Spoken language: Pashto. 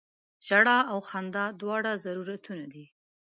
ژړا او خندا دواړه ضرورتونه دي.